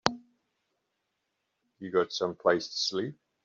You got someplace to sleep?